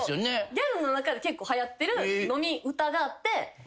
ギャルの中で結構はやってる飲み歌があって。